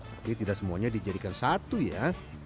tapi tidak semuanya dijadikan satu ya